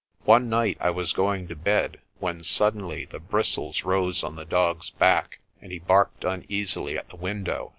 One night I was going to bed, when suddenly the bristles rose on the dog's back and he barked uneasily at the window.